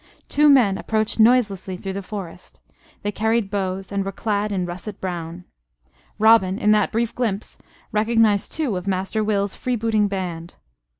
Two men approached noiselessly through the forest. They carried bows and were clad in russet brown. Robin, in that brief glimpse, recognized two of Master Will's free booting band.